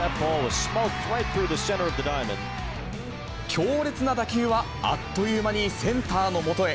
強烈な打球は、あっという間にセンターのもとへ。